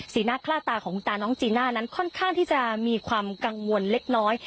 หน้าคล่าตาของคุณตาน้องจีน่านั้นค่อนข้างที่จะมีความกังวลเล็กน้อย